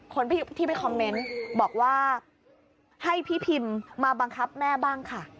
คนที่ไปคอมเมนต์บอกว่าให้พี่พิมมาบังคับแม่บ้างค่ะ